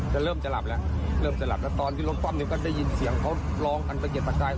เริ่มจะหลับแล้วเริ่มจะหลับแล้วตอนที่รถคว่ำเนี่ยก็ได้ยินเสียงเขาร้องกันตะเกียบตะกาย